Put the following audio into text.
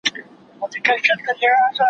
پاس د وني په ښاخونو کي یو مار وو